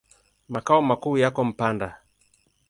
Makao makuu yako Mpanda.